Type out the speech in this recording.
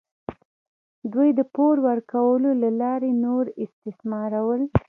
دوی د پور ورکولو له لارې نور استثمارول.